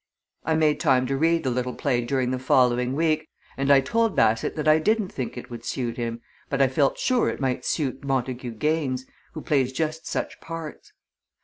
I made time to read the little play during the following week, and I told Bassett that I didn't think it would suit him, but I felt sure it might suit Montagu Gaines, who plays just such parts.